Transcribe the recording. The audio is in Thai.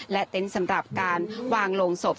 เต็นต์สำหรับการวางโรงศพ